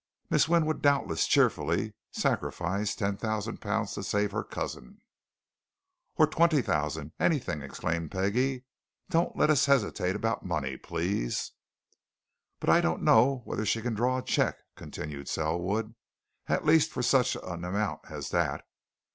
Miss Wynne would doubtless cheerfully sacrifice ten thousand pounds to save her cousin " "Oh, twenty thousand anything!" exclaimed Peggie. "Don't let us hesitate about money, please." "But I don't know whether she can draw a cheque," continued Selwood. "At least, for such an amount as that.